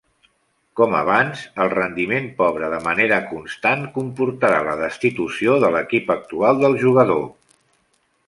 Com abans, el rendiment pobre de manera constant comportarà la destitució de l'equip actual del jugador.